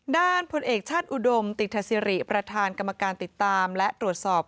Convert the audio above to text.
พลเอกชาติอุดมติธสิริประธานกรรมการติดตามและตรวจสอบ